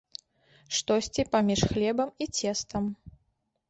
Штосьці паміж хлебам і цестам.